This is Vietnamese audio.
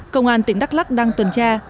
công an tỉnh đắk lắc đang tuần tra